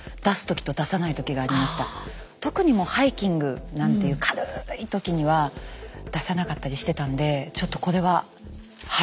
特にハイキングなんていう軽い時には出さなかったりしてたんでちょっとこれはハッとしました。